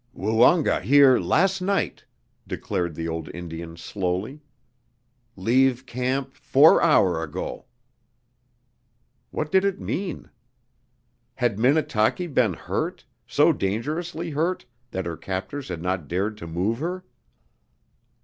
"Woonga here las' night," declared the old Indian slowly. "Leave camp four hour ago!" What did it mean? Had Minnetaki been hurt, so dangerously hurt that her captors had not dared to move her?